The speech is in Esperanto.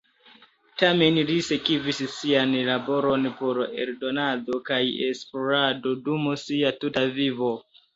Tamen li sekvis sian laboron por eldonado kaj esplorado dum sia tuta vivo.